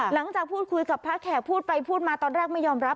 หลังจากพูดคุยกับพระแขกพูดไปพูดมาตอนแรกไม่ยอมรับ